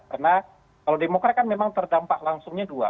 karena kalau demokrat kan memang terdampak langsungnya dua